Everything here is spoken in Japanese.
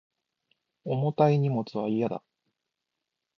重たい荷物は嫌だ